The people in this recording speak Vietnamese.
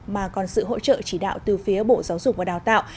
mà còn sự hỗ trợ chỉ đạo từ phía bộ giáo dục và đào tạo